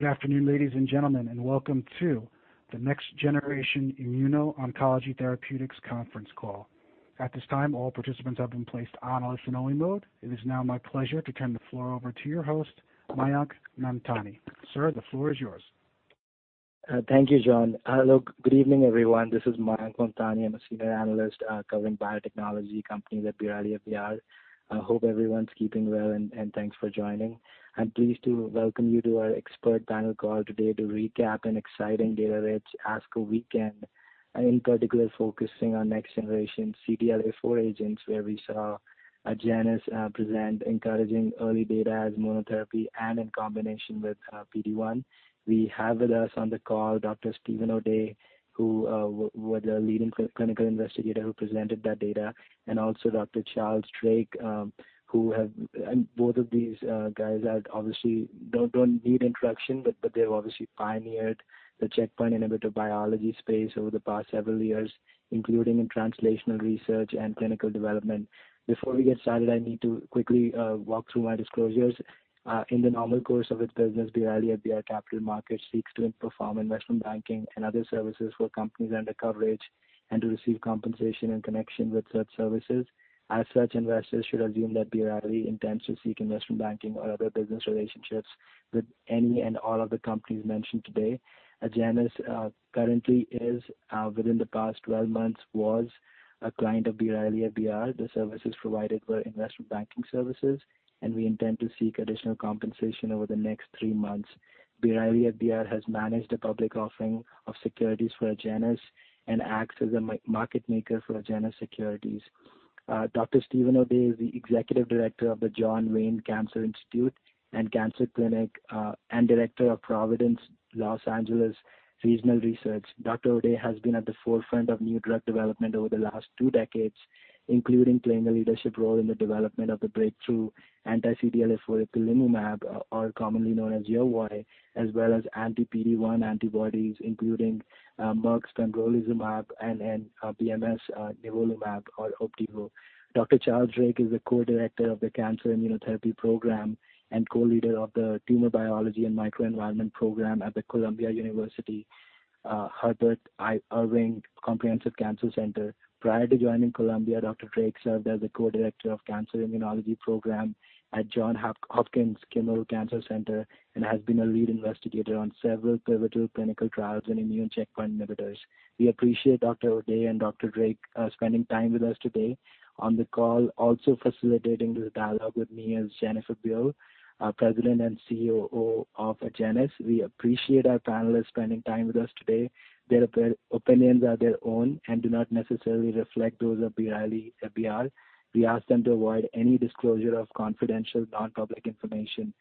Good afternoon, ladies and gentlemen. Welcome to the Next Generation Immuno-Oncology Therapeutics Conference Call. At this time, all participants have been placed on a listen-only mode. It is now my pleasure to turn the floor over to your host, Mayank Mamtani. Sir, the floor is yours. Thank you, John. Hello, good evening, everyone. This is Mayank Mamtani. I'm a Senior Analyst, covering biotechnology companies at B. Riley FBR. I hope everyone's keeping well, thanks for joining. I'm pleased to welcome you to our expert panel call today to recap an exciting data-rich ASCO weekend. In particular, focusing on next generation CTLA-4 agents, where we saw Agenus present encouraging early data as monotherapy and in combination with PD-1. We have with us on the call Dr. Steven O'Day, who was a leading clinical investigator who presented that data, also Dr. Charles Drake. Both of these guys obviously don't need introduction, they've obviously pioneered the checkpoint inhibitor biology space over the past several years, including in translational research and clinical development. Before we get started, I need to quickly walk through my disclosures. In the normal course of its business, B. Riley FBR Capital Markets seeks to perform investment banking and other services for companies under coverage and to receive compensation in connection with such services. As such, investors should assume that B. Riley intends to seek investment banking or other business relationships with any and all of the companies mentioned today. Agenus currently is, within the past 12 months was, a client of B. Riley FBR. The services provided were investment banking services, and we intend to seek additional compensation over the next three months. B. Riley FBR has managed a public offering of securities for Agenus and acts as a market maker for Agenus Securities. Dr. Steven O'Day is the Executive Director of the John Wayne Cancer Institute and Cancer Clinic, and Director of Providence Los Angeles Regional Research. Dr. O'Day has been at the forefront of new drug development over the last two decades, including playing a leadership role in the development of the breakthrough anti-CTLA-4 ipilimumab, or commonly known as YERVOY, as well as anti-PD-1 antibodies, including Merck's pembrolizumab and BMS nivolumab or Opdivo. Dr. Charles Drake is a Co-director of the Cancer Immunotherapy Program and Co-leader of the Tumor Biology and Microenvironment Program at the Columbia University Herbert Irving Comprehensive Cancer Center. Prior to joining Columbia, Dr. Drake served as the Co-director of Cancer Immunology Program at Johns Hopkins Kimmel Cancer Center and has been a lead investigator on several pivotal clinical trials in immune checkpoint inhibitors. We appreciate Dr. O'Day and Dr. Drake spending time with us today on the call. Also facilitating this dialogue with me is Jennifer Buell, President and COO of Agenus. We appreciate our panelists spending time with us today. Their opinions are their own and do not necessarily reflect those of B. Riley FBR. We ask them to avoid any disclosure of confidential, non-public information.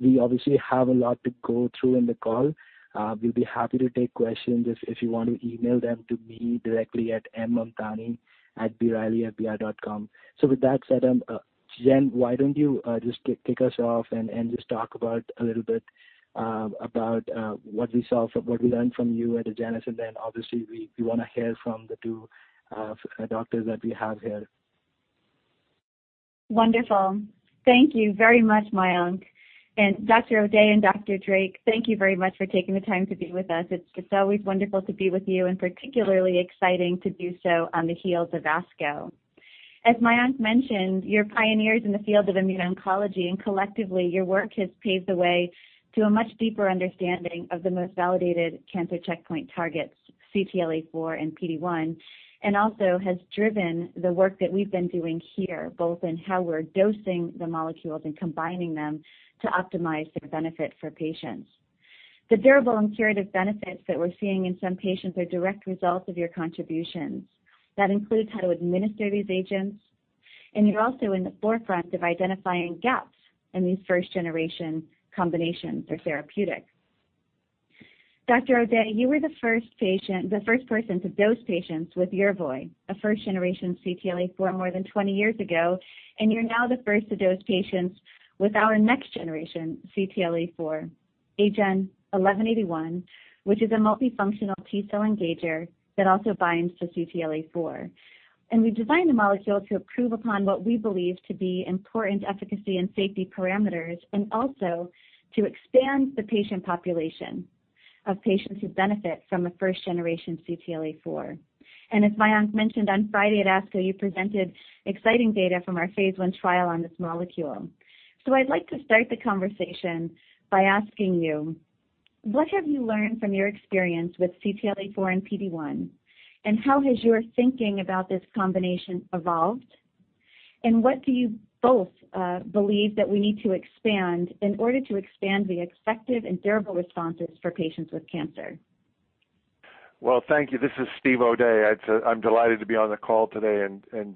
We obviously have a lot to go through in the call. We'll be happy to take questions if you want to email them to me directly at mmamtani@brileyfbr.com. With that said, Jen, why don't you just kick us off and just talk about a little bit about what we learned from you at Agenus, and then obviously we want to hear from the two doctors that we have here. Wonderful. Thank you very much, Mayank. Dr. O'Day and Dr. Drake, thank you very much for taking the time to be with us. It's always wonderful to be with you and particularly exciting to do so on the heels of ASCO. As Mayank mentioned, you're pioneers in the field of immuno-oncology, and collectively, your work has paved the way to a much deeper understanding of the most validated cancer checkpoint targets, CTLA-4 and PD-1, and also has driven the work that we've been doing here, both in how we're dosing the molecules and combining them to optimize their benefit for patients. The durable and curative benefits that we're seeing in some patients are direct results of your contributions. That includes how to administer these agents, and you're also in the forefront of identifying gaps in these first-generation combinations or therapeutics. Dr. O'Day, you were the first person to dose patients with YERVOY, a first-generation CTLA-4, more than 20 years ago, and you're now the first to dose patients with our next generation CTLA-4, AGEN1181, which is a multifunctional T-cell engager that also binds to CTLA-4. We designed the molecule to improve upon what we believe to be important efficacy and safety parameters, and also to expand the patient population of patients who benefit from a first generation CTLA-4. As Mayank mentioned on Friday at ASCO, you presented exciting data from our phase I trial on this molecule. I'd like to start the conversation by asking you, what have you learned from your experience with CTLA-4 and PD-1, and how has your thinking about this combination evolved? What do you both believe that we need to expand in order to expand the effective and durable responses for patients with cancer? Well, thank you. This is Steven O'Day. I'm delighted to be on the call today.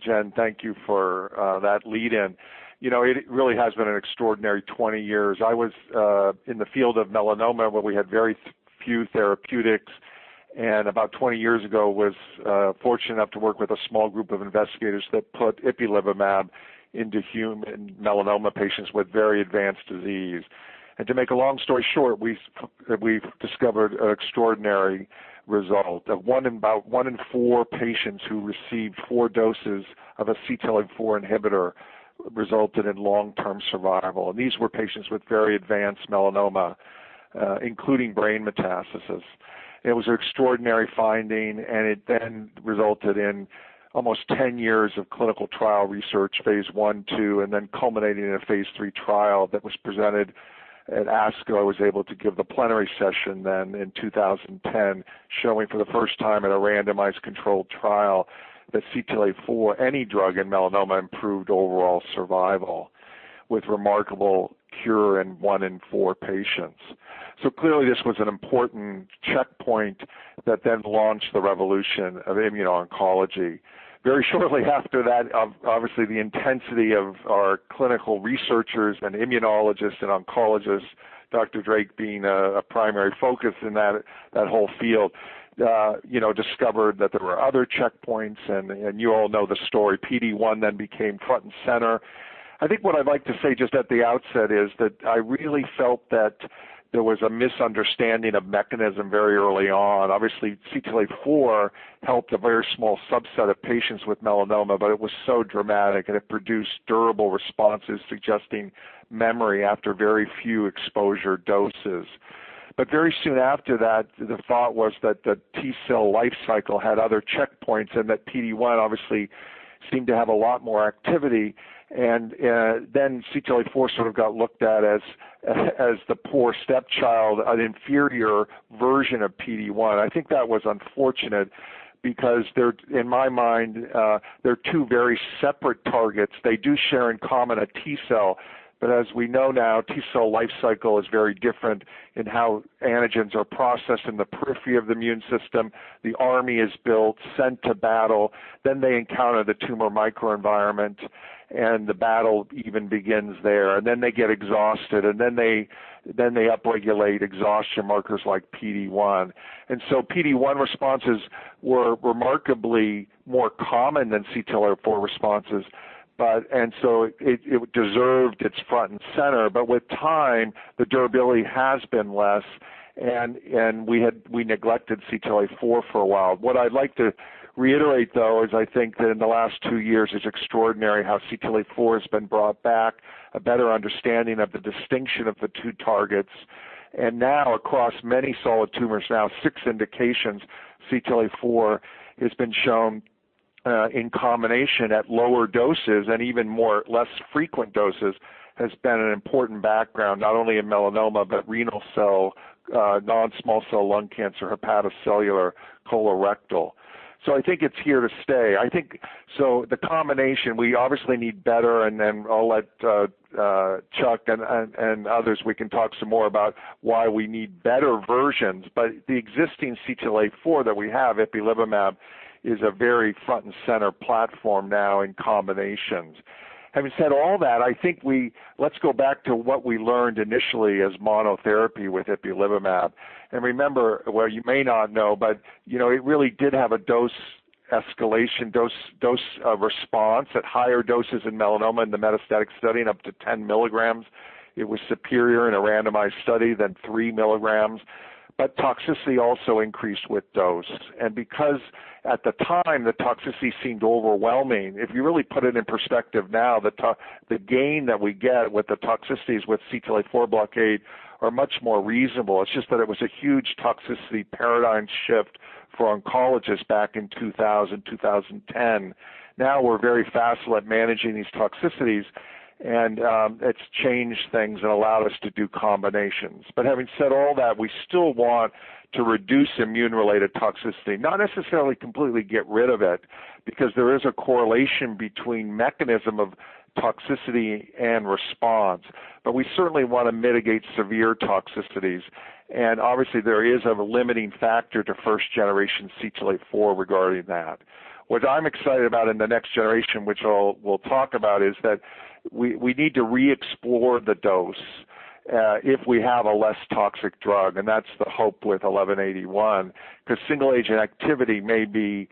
Jen, thank you for that lead in. It really has been an extraordinary 20 years. I was in the field of melanoma, where we had very few therapeutics, and about 20 years ago, was fortunate enough to work with a small group of investigators that put ipilimumab into human melanoma patients with very advanced disease. To make a long story short, we've discovered an extraordinary result. That one in four patients who received four doses of a CTLA-4 inhibitor resulted in long-term survival. These were patients with very advanced melanoma, including brain metastasis. It was an extraordinary finding, and it then resulted in almost 10 years of clinical trial research, phase I, II, and then culminating in a phase III trial that was presented at ASCO. I was able to give the plenary session then in 2010, showing for the first time in a randomized controlled trial that CTLA-4, any drug in melanoma, improved overall survival with remarkable cure in one in four patients. Clearly, this was an important checkpoint that then launched the revolution of immuno-oncology. Very shortly after that, obviously the intensity of our clinical researchers and immunologists and oncologists, Dr. Drake being a primary focus in that whole field, discovered that there were other checkpoints, you all know the story. PD-1 became front and center. I think what I'd like to say just at the outset is that I really felt that there was a misunderstanding of mechanism very early on. Obviously, CTLA-4 helped a very small subset of patients with melanoma, it was so dramatic, it produced durable responses suggesting memory after very few exposure doses. Very soon after that, the thought was that the T-cell life cycle had other checkpoints and that PD-1 obviously seemed to have a lot more activity. CTLA-4 sort of got looked at as the poor stepchild, an inferior version of PD-1. I think that was unfortunate because, in my mind, they're two very separate targets. They do share in common a T-cell, but as we know now, T-cell life cycle is very different in how antigens are processed in the periphery of the immune system. The army is built, sent to battle, then they encounter the tumor microenvironment, and the battle even begins there. They get exhausted, and then they upregulate exhaustion markers like PD-1. PD-1 responses were remarkably more common than CTLA-4 responses. It deserved its front and center. With time, the durability has been less, and we neglected CTLA-4 for a while. What I'd like to reiterate, though, is I think that in the last two years, it's extraordinary how CTLA-4 has been brought back, a better understanding of the distinction of the two targets. Now across many solid tumors, now six indications, CTLA-4 has been shown in combination at lower doses and even more less frequent doses, has been an important background, not only in melanoma, but renal cell, non-small cell lung cancer, hepatocellular, colorectal. I think it's here to stay. The combination, we obviously need better, and then I'll let Chuck and others, we can talk some more about why we need better versions. The existing CTLA-4 that we have, ipilimumab, is a very front and center platform now in combinations. Having said all that, let's go back to what we learned initially as monotherapy with ipilimumab. Remember, well, you may not know, but it really did have a dose escalation, dose response at higher doses in melanoma in the metastatic setting, up to 10 mg. It was superior in a randomized study than 3 mg. Toxicity also increased with dose. Because at the time, the toxicity seemed overwhelming. If you really put it in perspective now, the gain that we get with the toxicities with CTLA-4 blockade are much more reasonable. It's just that it was a huge toxicity paradigm shift for oncologists back in 2000, 2010. Now we're very facile at managing these toxicities, and it's changed things and allowed us to do combinations. Having said all that, we still want to reduce immune-related toxicity. Not necessarily completely get rid of it, because there is a correlation between mechanism of toxicity and response. We certainly want to mitigate severe toxicities. Obviously there is a limiting factor to first generation CTLA-4 regarding that. What I'm excited about in the next generation, which we'll talk about, is that we need to re-explore the dose if we have a less toxic drug. That's the hope with AGEN1181, because single agent activity may be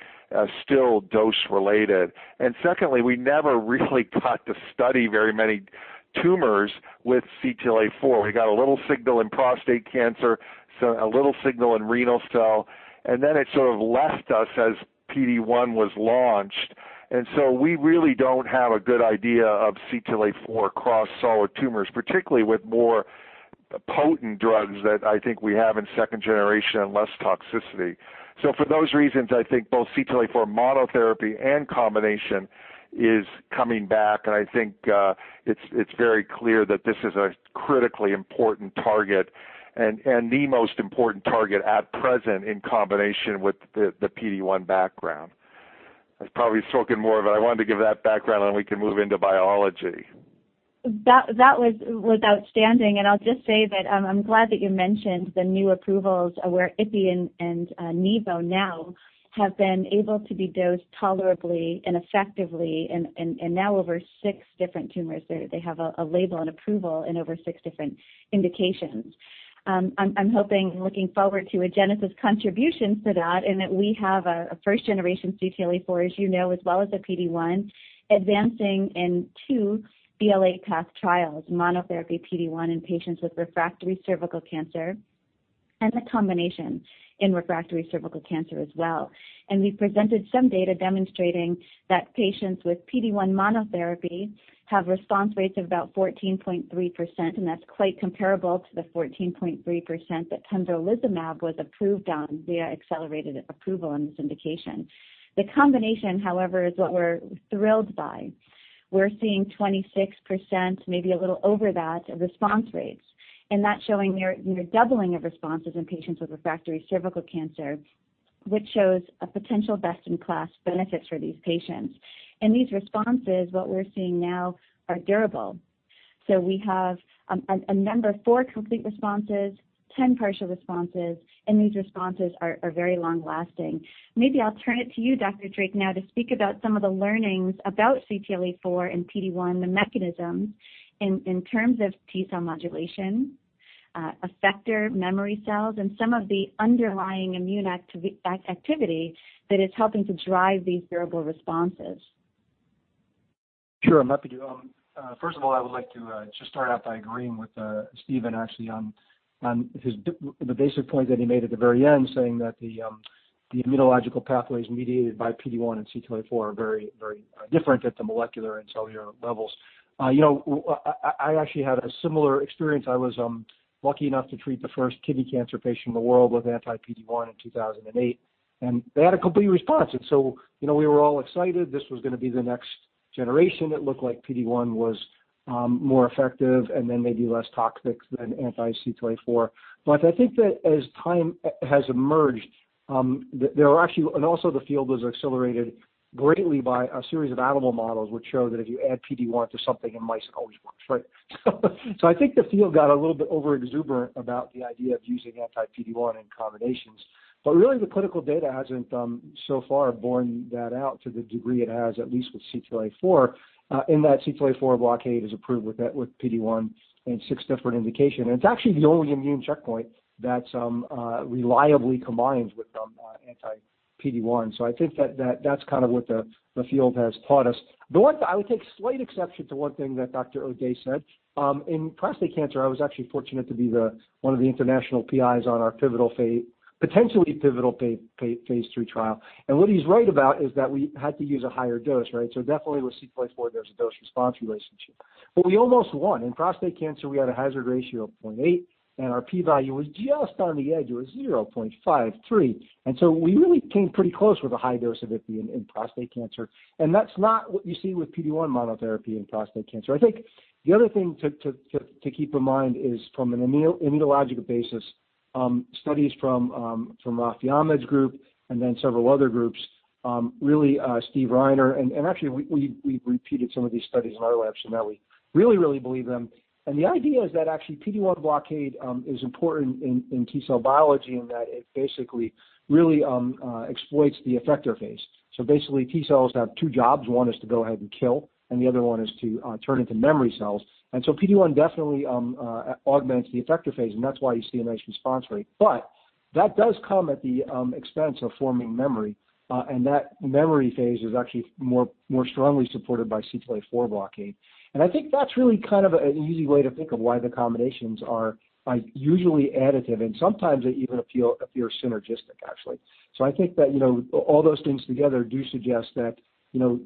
still dose related. Secondly, we never really got to study very many tumors with CTLA-4. We got a little signal in prostate cancer, a little signal in renal cell, and then it sort of left us as PD-1 was launched. So we really don't have a good idea of CTLA-4 across solid tumors, particularly with more potent drugs that I think we have in second generation and less toxicity. For those reasons, I think both CTLA-4 monotherapy and combination is coming back, and I think it's very clear that this is a critically important target and the most important target at present in combination with the PD-1 background. I've probably spoken more, but I wanted to give that background, and we can move into biology. That was outstanding. I'll just say that I'm glad that you mentioned the new approvals where ipilimumab and nivolumab now have been able to be dosed tolerably and effectively and now over six different tumors. They have a label and approval in over six different indications. I'm hoping and looking forward to Agenus' contribution to that in that we have a first generation CTLA-4, as you know, as well as a PD-1 advancing in two BLA path trials, monotherapy PD-1 in patients with refractory cervical cancer. The combination in refractory cervical cancer as well. We presented some data demonstrating that patients with PD-1 monotherapy have response rates of about 14.3%, and that's quite comparable to the 14.3% that pembrolizumab was approved on via accelerated approval on this indication. The combination, however, is what we're thrilled by. We're seeing 26%, maybe a little over that, response rates. That's showing near doubling of responses in patients with refractory cervical cancer, which shows a potential best-in-class benefit for these patients. These responses, what we're seeing now, are durable. We have a number of four complete responses, 10 partial responses, and these responses are very long-lasting. Maybe I'll turn it to you, Dr. Drake, now to speak about some of the learnings about CTLA-4 and PD-1, the mechanisms in terms of T-cell modulation, effector memory cells, and some of the underlying immune activity that is helping to drive these durable responses. Sure. I'm happy to. First of all, I would like to just start out by agreeing with Steven on the basic point that he made at the very end, saying that the immunological pathways mediated by PD-1 and CTLA-4 are very, very different at the molecular and cellular levels. I actually had a similar experience. I was lucky enough to treat the first kidney cancer patient in the world with anti-PD-1 in 2008, they had a complete response. We were all excited. This was going to be the next generation. It looked like PD-1 was more effective and then maybe less toxic than anti-CTLA-4. I think that as time has emerged, the field was accelerated greatly by a series of animal models which show that if you add PD-1 to something in mice, it always works, right? I think the field got a little bit over-exuberant about the idea of using anti-PD-1 in combinations. Really, the clinical data hasn't, so far, borne that out to the degree it has, at least with CTLA-4, in that CTLA-4 blockade is approved with PD-1 in six different indications. It's actually the only immune checkpoint that reliably combines with anti-PD-1. I think that's what the field has taught us. I would take slight exception to one thing that Dr. O'Day said. In prostate cancer, I was actually fortunate to be one of the International PIs on our potentially pivotal phase III trial. What he's right about is that we had to use a higher dose. Definitely with CTLA-4, there's a dose-response relationship. We almost won. In prostate cancer, we had a hazard ratio of 0.8, and our P value was just on the edge. It was 0.53. We really came pretty close with a high dose of ipi in prostate cancer. That's not what you see with PD-1 monotherapy in prostate cancer. I think the other thing to keep in mind is from an immunological basis, studies from Rafi Ahmed's group and then several other groups, really Steve Reiner, and actually, we repeated some of these studies in our lab, so now we really, really believe them. The idea is that actually PD-1 blockade is important in T-cell biology in that it basically really exploits the effector phase. Basically, T-cells have two jobs. One is to go ahead and kill, and the other one is to turn into memory cells. PD-1 definitely augments the effector phase, and that's why you see a nice response rate. That does come at the expense of forming memory, and that memory phase is actually more strongly supported by CTLA-4 blockade. I think that's really an easy way to think of why the combinations are usually additive, and sometimes they even appear synergistic, actually. I think that all those things together do suggest that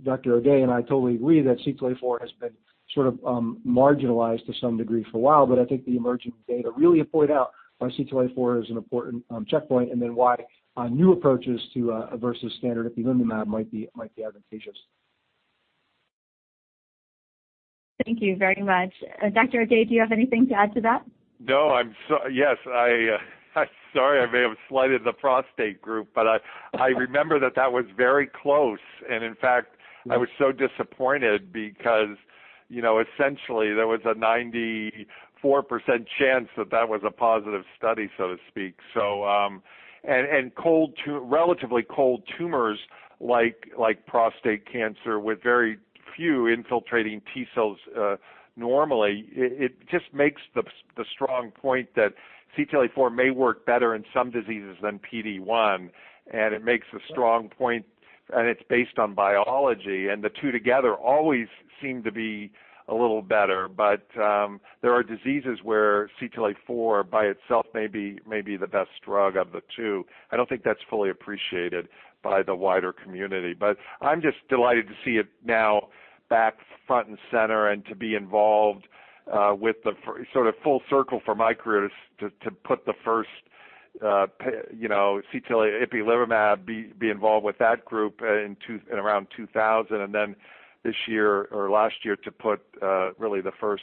Dr. O'Day and I totally agree that CTLA-4 has been sort of marginalized to some degree for a while, but I think the emerging data really point out why CTLA-4 is an important checkpoint and then why new approaches versus standard ipilimumab might be advantageous. Thank you very much. Dr. O'Day, do you have anything to add to that? No. Yes. Sorry, I may have slighted the prostate group, but I remember that that was very close, and in fact, I was so disappointed because essentially there was a 94% chance that that was a positive study, so to speak. Relatively cold tumors like prostate cancer with very few infiltrating T-cells normally, it just makes the strong point that CTLA-4 may work better in some diseases than PD-1. It makes a strong point, and it's based on biology. The two together always seem to be a little better. There are diseases where CTLA-4 by itself may be the best drug of the two. I don't think that's fully appreciated by the wider community. I'm just delighted to see it now back front and center and to be involved with the sort of full circle for my career to put the first CTLA ipilimumab, be involved with that group around 2000, and then this year or last year to put really the first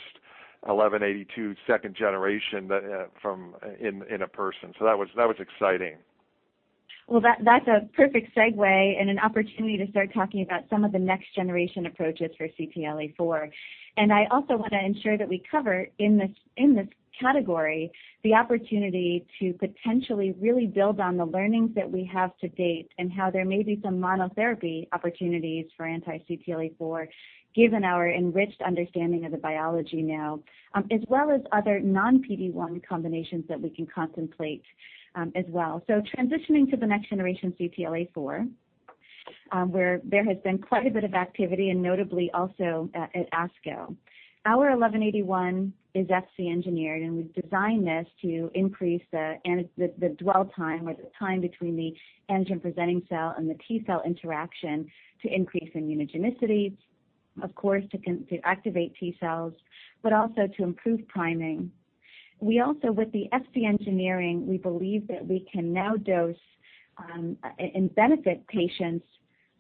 AGEN1181 second generation in a person. That was exciting. Well, that's a perfect segue and an opportunity to start talking about some of the next-generation approaches for CTLA-4. I also want to ensure that we cover in this category the opportunity to potentially really build on the learnings that we have to date and how there may be some monotherapy opportunities for anti-CTLA-4 given our enriched understanding of the biology now as well as other non-PD-1 combinations that we can contemplate as well. Transitioning to the next generation CTLA-4. Where there has been quite a bit of activity, and notably also at ASCO. Our AGEN1181 is Fc engineered, and we've designed this to increase the dwell time or the time between the antigen-presenting cell and the T-cell interaction to increase immunogenicity, of course, to activate T-cells, but also to improve priming. We also, with the Fc engineering, we believe that we can now dose and benefit patients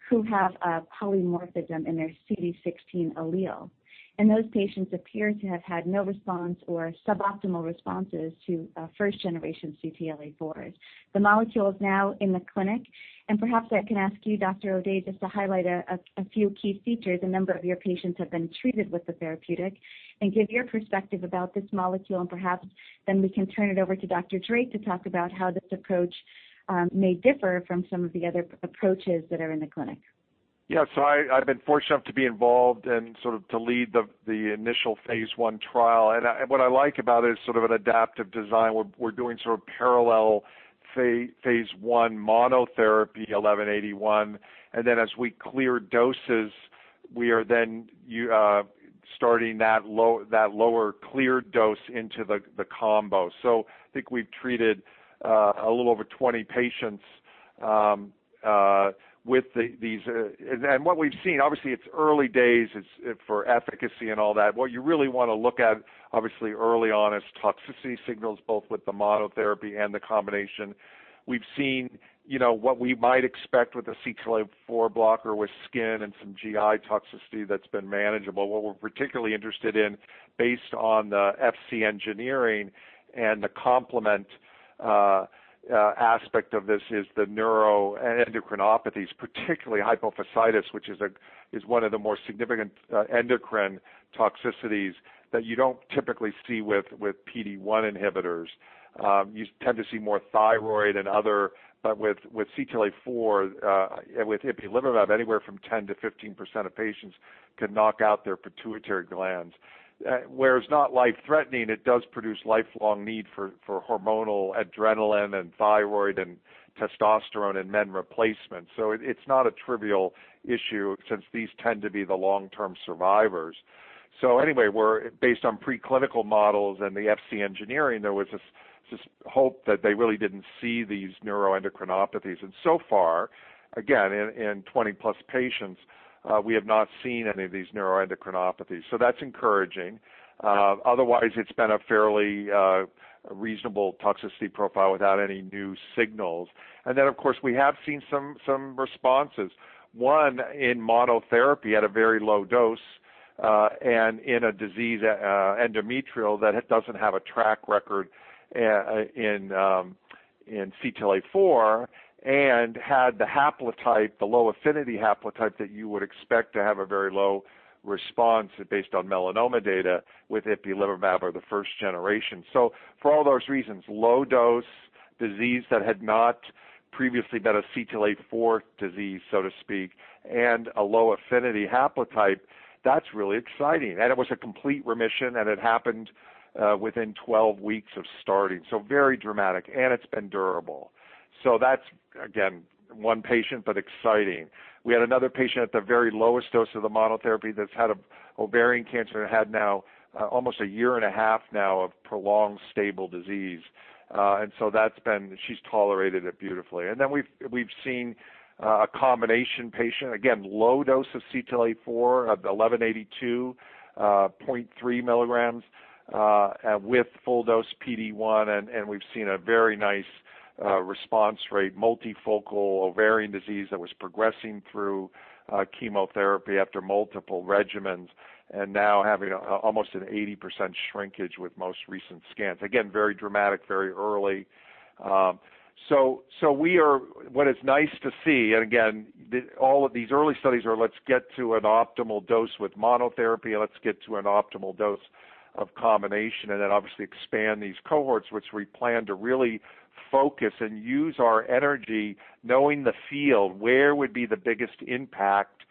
who have a polymorphism in their CD16 allele. Those patients appear to have had no response or suboptimal responses to first generation CTLA-4s. The molecule is now in the clinic, and perhaps I can ask you, Dr. O'Day, just to highlight a few key features. A number of your patients have been treated with the therapeutic and give your perspective about this molecule. Perhaps then we can turn it over to Dr. Drake to talk about how this approach may differ from some of the other approaches that are in the clinic. Yes. I've been fortunate enough to be involved and sort of to lead the initial phase I trial. What I like about it is sort of an adaptive design. We're doing sort of parallel phase I monotherapy AGEN1181, and then as we clear doses, we are then starting that lower cleared dose into the combo. I think we've treated a little over 20 patients with these. What we've seen, obviously it's early days for efficacy and all that. What you really want to look at, obviously early on, is toxicity signals, both with the monotherapy and the combination. We've seen what we might expect with a CTLA-4 blocker with skin and some GI toxicity that's been manageable. What we're particularly interested in based on the Fc engineering and the complement aspect of this is the neuroendocrinopathies, particularly hypophysitis, which is one of the more significant endocrine toxicities that you don't typically see with PD-1 inhibitors. You tend to see more thyroid and other, but with CTLA-4, with ipilimumab, anywhere from 10%-15% of patients could knock out their pituitary glands. Not life-threatening, it does produce lifelong need for hormonal adrenaline and thyroid and testosterone in men replacement. It's not a trivial issue since these tend to be the long-term survivors. Anyway, based on preclinical models and the Fc engineering, there was this hope that they really didn't see these neuroendocrinopathies. So far, again, in 20+ patients, we have not seen any of these neuroendocrinopathies. That's encouraging. Otherwise, it's been a fairly reasonable toxicity profile without any new signals. Of course, we have seen some responses. One in monotherapy at a very low dose and in a disease, endometrial, that doesn't have a track record in CTLA-4 and had the low affinity haplotype that you would expect to have a very low response based on melanoma data with ipilimumab or the first generation. For all those reasons, low dose, disease that had not previously been a CTLA-4 disease, so to speak, and a low affinity haplotype, that's really exciting, and it was a complete remission and it happened within 12 weeks of starting. Very dramatic and it's been durable. That's again, one patient but exciting. We had another patient at the very lowest dose of the monotherapy that's had ovarian cancer and had now almost a year and a half now of prolonged stable disease. She's tolerated it beautifully. We’ve seen a combination patient, again, low dose of CTLA-4 at AGEN1181 at 0.3 mg/kg with full dose PD-1. We’ve seen a very nice response rate, multifocal ovarian disease that was progressing through chemotherapy after multiple regimens and now having almost an 80% shrinkage with most recent scans. Very dramatic, very early. What is nice to see, and again, all of these early studies are let’s get to an optimal dose with monotherapy and let’s get to an optimal dose of combination and then obviously expand these cohorts, which we plan to really focus and use our energy knowing the field, where would be the biggest impact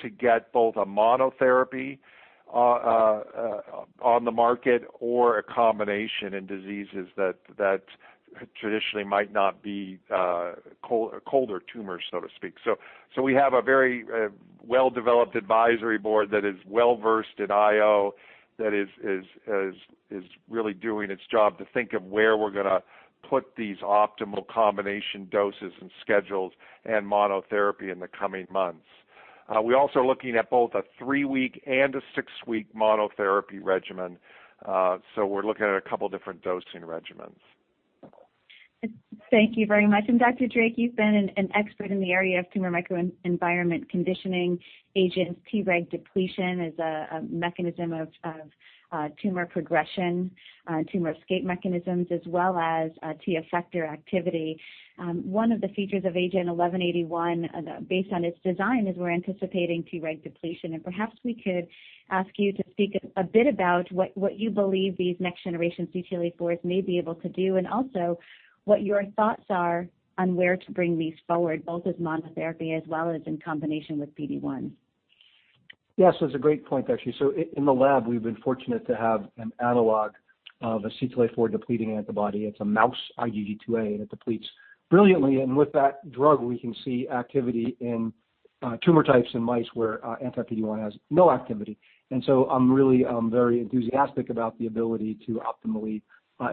to get both a monotherapy on the market or a combination in diseases that traditionally might not be colder tumors, so to speak. We have a very well-developed advisory board that is well-versed in IO, that is really doing its job to think of where we're going to put these optimal combination doses and schedules and monotherapy in the coming months. We're also looking at both a three-week and a six-week monotherapy regimen. We're looking at a couple different dosing regimens. Thank you very much. Dr. Drake, you've been an expert in the area of tumor microenvironment conditioning agents. Treg depletion is a mechanism of tumor progression, tumor escape mechanisms, as well as T effector activity. One of the features of AGEN1181 based on its design is we're anticipating Treg depletion, and perhaps we could ask you to speak a bit about what you believe these next generation CTLA-4s may be able to do and also what your thoughts are on where to bring these forward, both as monotherapy as well as in combination with PD-1. Yes. That's a great point, actually. In the lab, we've been fortunate to have an analog of a CTLA-4 depleting antibody. It's a mouse IgG2a, and it depletes brilliantly. With that drug, we can see activity in tumor types in mice where anti-PD-1 has no activity. I'm really very enthusiastic about the ability to optimally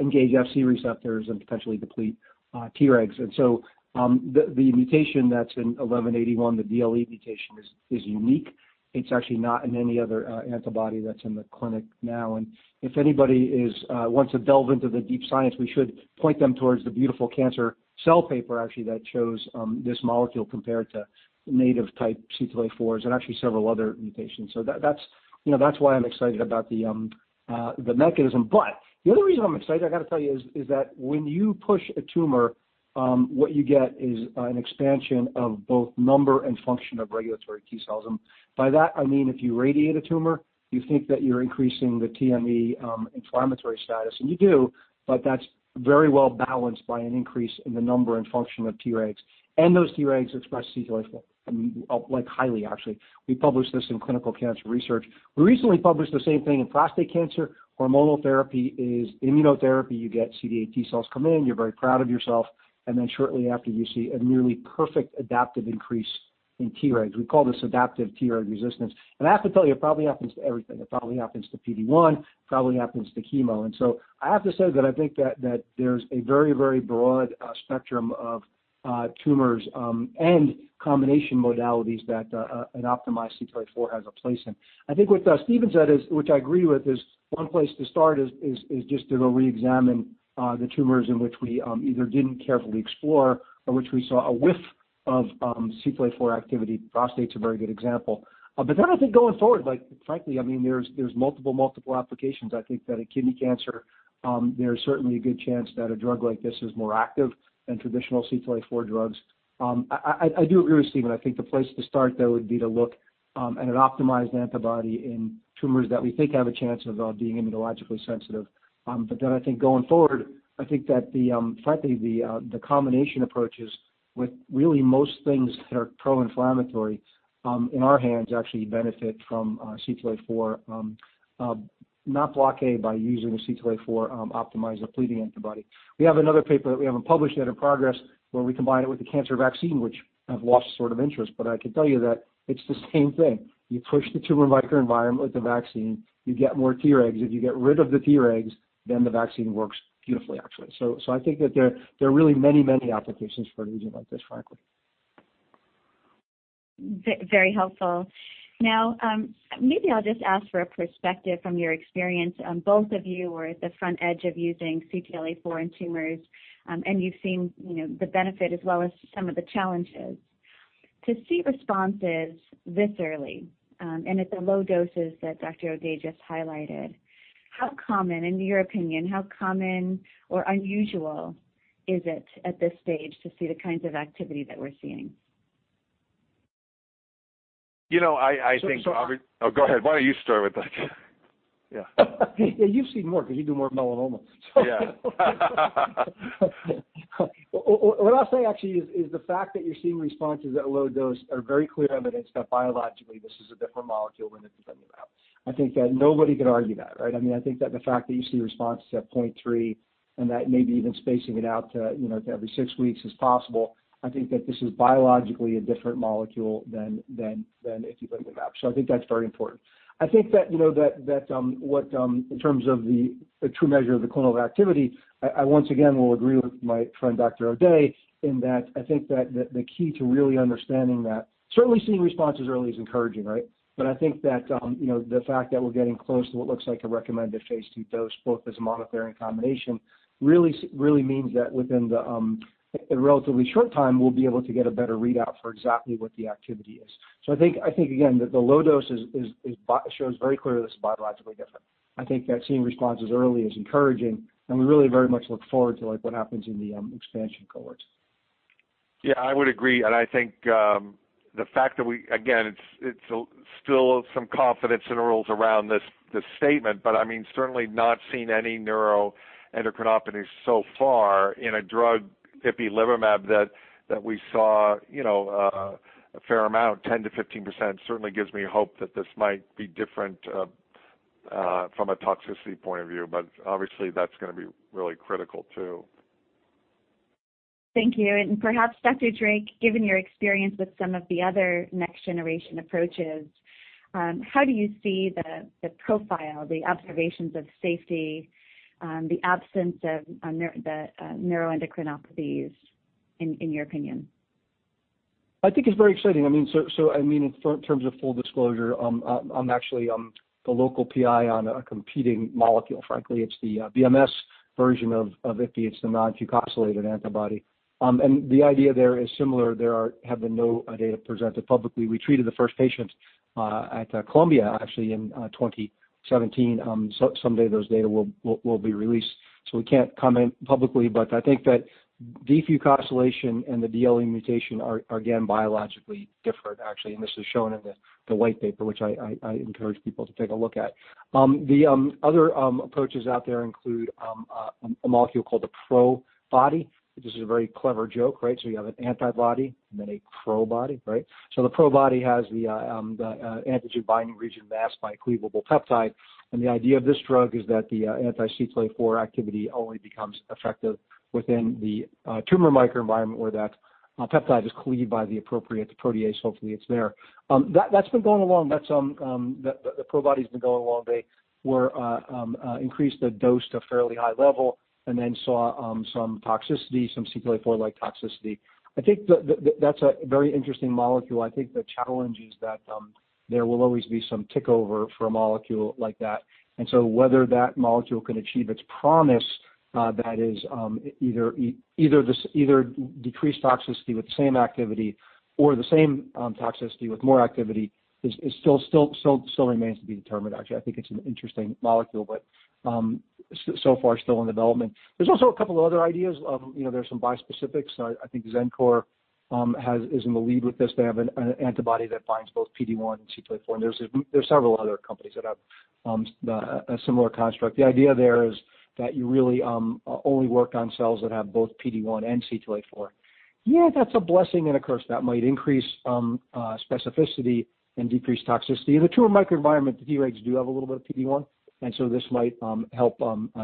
engage Fc receptors and potentially deplete Tregs. The mutation that's in AGEN1181, the DLE mutation, is unique. It's actually not in any other antibody that's in the clinic now. If anybody wants to delve into the deep science, we should point them towards the beautiful Cancer Cell paper, actually, that shows this molecule compared to native type CTLA-4s and actually several other mutations. That's why I'm excited about the mechanism. The other reason I'm excited, I got to tell you is that when you push a tumor, what you get is an expansion of both number and function of regulatory T-cells. By that, I mean, if you radiate a tumor, you think that you're increasing the TME inflammatory status, and you do, but that's very well-balanced by an increase in the number and function of Tregs. Those Tregs express CTLA-4, like highly, actually. We published this in Clinical Cancer Research. We recently published the same thing in prostate cancer. Hormonal therapy is immunotherapy. You get CD8 T-cells come in, you're very proud of yourself, and then shortly after, you see a nearly perfect adaptive increase in Tregs. We call this adaptive Treg resistance. I have to tell you, it probably happens to everything. It probably happens to PD-1, probably happens to chemo. I have to say that I think that there's a very, very broad spectrum of tumors and combination modalities that an optimized CTLA-4 has a place in. I think what Steven said, which I agree with, is one place to start is just to go reexamine the tumors in which we either didn't carefully explore or which we saw a whiff of CTLA-4 activity. Prostate's a very good example. I think going forward, frankly, there's multiple applications. I think that in kidney cancer, there's certainly a good chance that a drug like this is more active than traditional CTLA-4 drugs. I do agree with Steven. I think the place to start, though, would be to look at an optimized antibody in tumors that we think have a chance of being immunologically sensitive. I think going forward, I think that frankly, the combination approaches with really most things that are pro-inflammatory, in our hands, actually benefit from CTLA-4, not block A, by using a CTLA-4 optimized depleting antibody. We have another paper that we haven't published yet in progress where we combine it with the cancer vaccine, which have lost sort of interest, but I can tell you that it's the same thing. You push the tumor microenvironment with the vaccine, you get more Tregs. If you get rid of the Tregs, then the vaccine works beautifully, actually. I think that there are really many applications for an agent like this, frankly. Very helpful. Maybe I'll just ask for a perspective from your experience. Both of you are at the front edge of using CTLA-4 in tumors, and you've seen the benefit as well as some of the challenges. To see responses this early, and at the low doses that Dr. O'Day just highlighted, how common, in your opinion, or unusual is it at this stage to see the kinds of activity that we're seeing? I think. Oh, go ahead. Why don't you start with that? Yeah. Yeah, you've seen more because you do more melanomas. Yeah. What I'll say, actually, is the fact that you're seeing responses at low dose are very clear evidence that biologically this is a different molecule when it's in the mouse. I think that nobody could argue that, right? I think that the fact that you see responses at 0.3 and that maybe even spacing it out to every six weeks is possible, I think that this is biologically a different molecule than if you put it in the mouse. I think that's very important. I think that in terms of the true measure of the clonal activity, I once again will agree with my friend Dr. O'Day in that I think that the key to really understanding that, certainly seeing responses early is encouraging, right? I think that the fact that we're getting close to what looks like a recommended phase II dose, both as monotherapy and in combination, really means that within the relatively short time, we'll be able to get a better readout for exactly what the activity is. I think, again, that the low dose shows very clearly this is biologically different. I think that seeing responses early is encouraging, and we really very much look forward to what happens in the expansion cohorts. Yeah, I would agree. I think the fact that we, again, it's still some confidence intervals around this statement, certainly not seen any neuroendocrinopathies so far in a drug, ipilimumab, that we saw a fair amount, 10%-15%, certainly gives me hope that this might be different from a toxicity point of view. Obviously, that's going to be really critical, too. Thank you. Perhaps Dr. Drake, given your experience with some of the other next-generation approaches, how do you see the profile, the observations of safety, the absence of the neuroendocrinopathies in your opinion? I think it's very exciting. In terms of full disclosure, I'm actually the local PI on a competing molecule, frankly. It's the BMS version of ipi. It's the non-fucosylated antibody. The idea there is similar. There have been no data presented publicly. We treated the first patient at Columbia, actually, in 2017. Someday those data will be released. We can't comment publicly, but I think that defucosylation and the DLE mutation are, again, biologically different, actually, and this is shown in the white paper, which I encourage people to take a look at. The other approaches out there include a molecule called a Probody, which is a very clever joke. You have an antibody and then a Probody. The Probody has the antigen binding region masked by a cleavable peptide, and the idea of this drug is that the anti-CTLA-4 activity only becomes effective within the tumor microenvironment where that peptide is cleaved by the appropriate protease. Hopefully, it's there. The Probody's been going along. They increased the dose to a fairly high level and then saw some toxicity, some CTLA-4-like toxicity. I think that's a very interesting molecule. I think the challenge is that there will always be some tick over for a molecule like that. Whether that molecule can achieve its promise, that is either decreased toxicity with the same activity or the same toxicity with more activity, still remains to be determined, actually. I think it's an interesting molecule, but so far still in development. There's also a couple of other ideas. There's some bispecifics. I think Xencor is in the lead with this. They have an antibody that binds both PD-1 and CTLA-4, and there's several other companies that have a similar construct. The idea there is that you really only work on cells that have both PD-1 and CTLA-4. Yeah, that's a blessing and a curse. That might increase specificity and decrease toxicity. In the tumor microenvironment, the Tregs do have a little bit of PD-1, and so this might help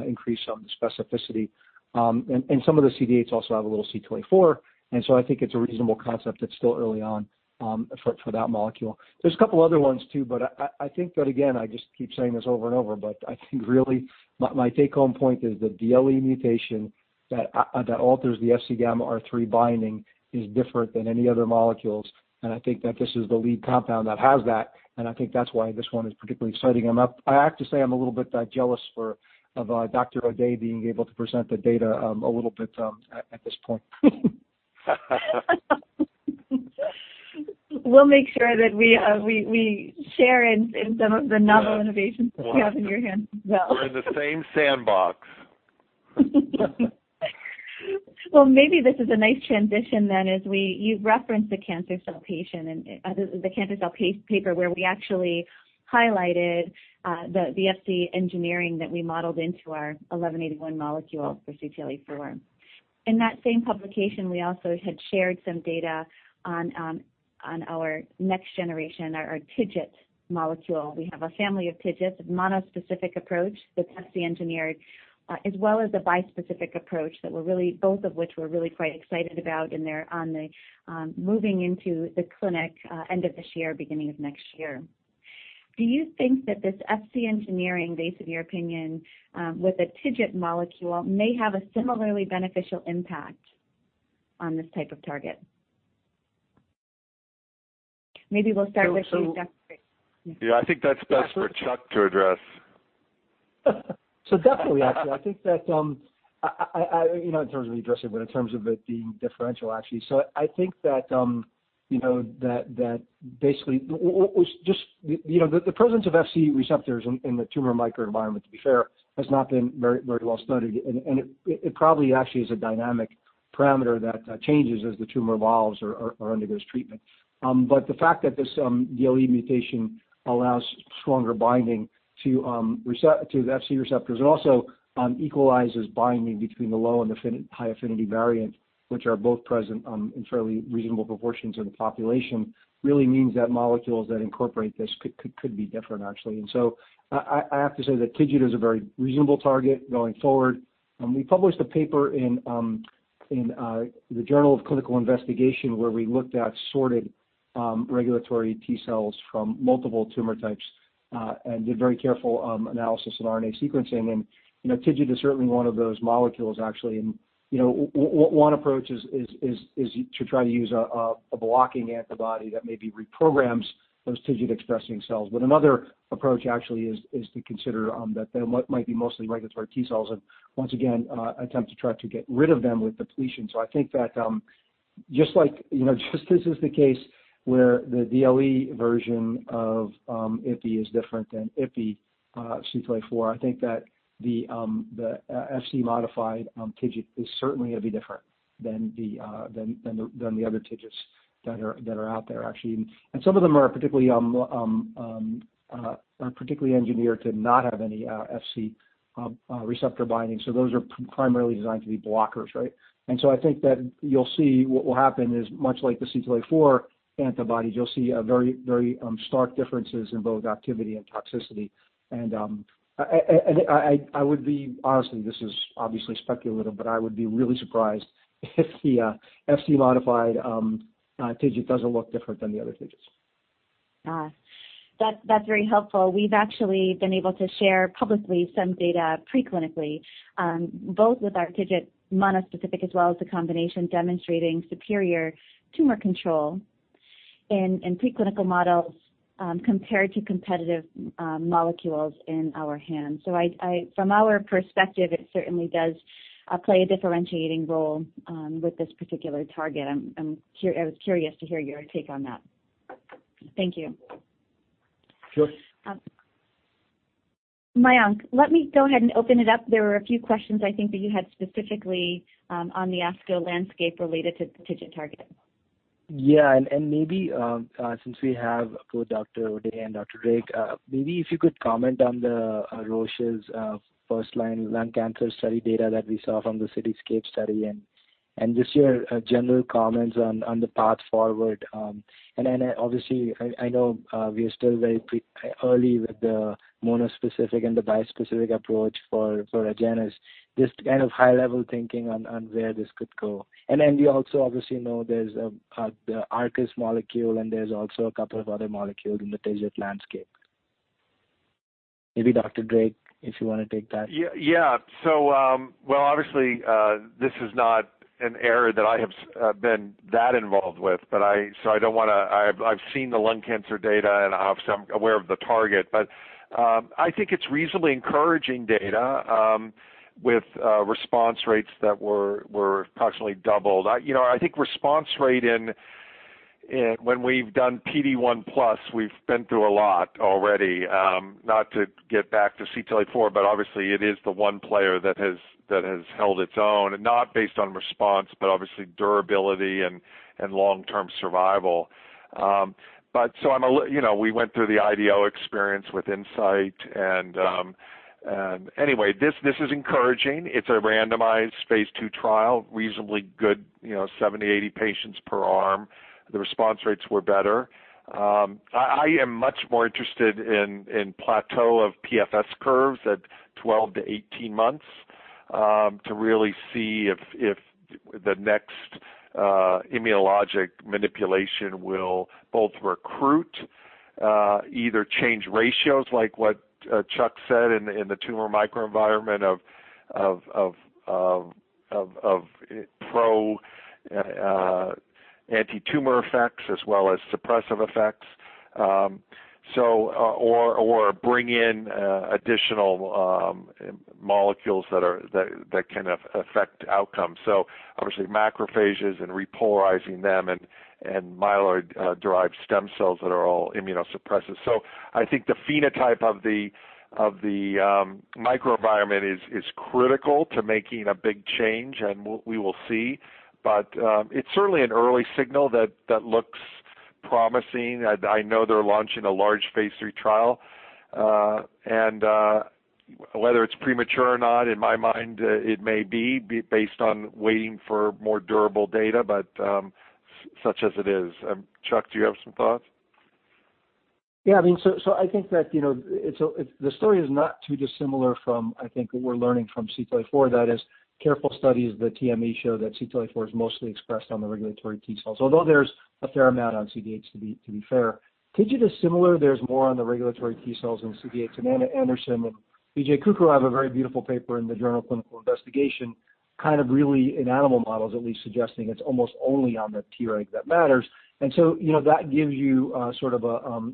increase some of the specificity. Some of the CD8s also have a little CTLA-4, and so I think it's a reasonable concept that's still early on for that molecule. There's a couple other ones too, but I think that, again, I just keep saying this over and over, but I think really my take-home point is the DLE mutation that alters the Fc gamma RIII binding is different than any other molecules, and I think that this is the lead compound that has that, and I think that's why this one is particularly exciting. I have to say, I'm a little bit jealous of Dr. O'Day being able to present the data a little bit at this point. We'll make sure that we share in some of the novel innovations you have in your hands as well. We're in the same sandbox. Well, maybe this is a nice transition then as you reference the Cancer Cell paper, where we actually highlighted the Fc engineering that we modeled into our AGEN1181 molecule for CTLA-4. In that same publication, we also had shared some data on our next generation, our TIGIT molecule. We have a family of TIGITs, a monospecific approach that's Fc-engineered, as well as a bispecific approach, both of which we're really quite excited about, and they're moving into the clinic end of this year, beginning of next year. Do you think that this Fc engineering, based on your opinion, with a TIGIT molecule, may have a similarly beneficial impact on this type of target? Maybe we'll start with you, Dr. O'Day. Yeah, I think that's best for Chuck to address. Definitely, actually. In terms of you addressing, in terms of it being differential, actually. I think that basically, just the presence of Fc receptors in the tumor microenvironment, to be fair, has not been very well studied, and it probably actually is a dynamic parameter that changes as the tumor evolves or undergoes treatment. The fact that this DLE mutation allows stronger binding to the Fc receptors, it also equalizes binding between the low and the high affinity variant, which are both present in fairly reasonable proportions of the population, really means that molecules that incorporate this could be different, actually. I have to say that TIGIT is a very reasonable target going forward. We published a paper in The Journal of Clinical Investigation where we looked at sorted regulatory T-cells from multiple tumor types and did very careful analysis of RNA sequencing. TIGIT is certainly one of those molecules, actually. One approach is to try to use a blocking antibody that maybe reprograms those TIGIT-expressing cells. Another approach actually is to consider that there might be mostly regulatory T-cells, and once again, attempt to try to get rid of them with depletion. I think that just as is the case where the DLE version of ipi is different than ipi CTLA-4, I think that the Fc modified TIGIT is certainly going to be different than the other TIGITs that are out there, actually. Some of them are particularly engineered to not have any Fc receptor binding. Those are primarily designed to be blockers. I think that what will happen is, much like the CTLA-4 antibodies, you'll see very stark differences in both activity and toxicity. I would be, honestly, this is obviously speculative, but I would be really surprised if the Fc modified TIGIT doesn't look different than the other TIGITs. That's very helpful. We've actually been able to share publicly some data pre-clinically, both with our TIGIT monospecific as well as the combination demonstrating superior tumor control in preclinical models compared to competitive molecules in our hand. From our perspective, it certainly does play a differentiating role with this particular target. I was curious to hear your take on that. Thank you. Sure. Mayank, let me go ahead and open it up. There were a few questions I think that you had specifically on the ASCO landscape related to TIGIT targeting. Yeah, maybe since we have both Dr. O'Day and Dr. Drake, maybe if you could comment on Roche's first-line lung cancer study data that we saw from the CITYSCAPE study and just your general comments on the path forward. Obviously, I know we are still very early with the monospecific and the bispecific approach for Agenus, just kind of high-level thinking on where this could go. We also obviously know there's the Arcus molecule, and there's also a couple of other molecules in the TIGIT landscape. Maybe Dr. Drake, if you want to take that. Well, obviously, this is not an area that I have been that involved with, so I don't want to I've seen the lung cancer data, and obviously I'm aware of the target. I think it's reasonably encouraging data with response rates that were approximately doubled. I think response rate when we've done PD-1 plus, we've been through a lot already, not to get back to CTLA-4, but obviously it is the one player that has held its own, and not based on response, but obviously durability and long-term survival. We went through the IDO experience with Incyte. Anyway, this is encouraging. It's a randomized phase II trial, reasonably good 70, 80 patients per arm. The response rates were better. I am much more interested in plateau of PFS curves at 12-18 months to really see if the next immunologic manipulation will both recruit, either change ratios like what Chuck said in the tumor microenvironment of pro-anti-tumor effects as well as suppressive effects, or bring in additional molecules that can affect outcomes. Obviously macrophages and repolarizing them and myeloid-derived suppressor cells that are all immunosuppressive. I think the phenotype of the microenvironment is critical to making a big change, and we will see. It's certainly an early signal that looks promising. I know they're launching a large phase III trial. Whether it's premature or not, in my mind, it may be based on waiting for more durable data. Such as it is. Chuck, do you have some thoughts? Yeah. I think that the story is not too dissimilar from I think what we're learning from CTLA-4, that is careful studies, the TME show that CTLA-4 is mostly expressed on the regulatory T-cells, although there's a fair amount on CD8s to be fair. TIGIT is similar. There's more on the regulatory T-cells than CD8. Ana Anderson and Vijay Kuchroo have a very beautiful paper in The Journal of Clinical Investigation, kind of really in animal models, at least suggesting it's almost only on the Treg that matters. That gives you a sort of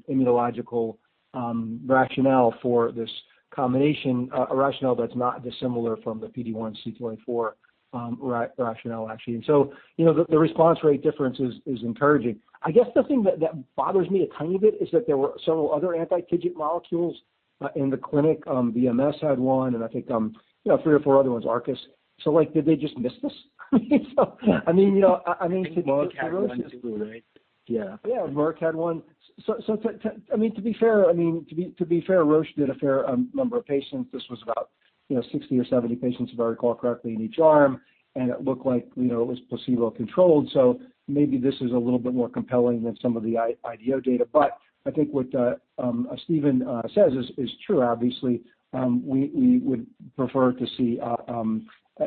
immunological rationale for this combination, a rationale that's not dissimilar from the PD-1 CTLA-4 rationale, actually. The response rate difference is encouraging. I guess the thing that bothers me a tiny bit is that there were several other anti-TIGIT molecules in the clinic. BMS had one, and I think three or four other ones, Arcus. Like, did they just miss this? I think Merck had one too, right? Yeah. Yeah. Merck had one. To be fair, Roche did a fair number of patients. This was about 60 or 70 patients, if I recall correctly, in each arm. It looked like it was placebo controlled. Maybe this is a little bit more compelling than some of the IDO data. I think what Steven says is true. Obviously, we would prefer to see.